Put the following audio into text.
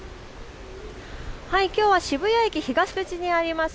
きょうは渋谷駅東口にあります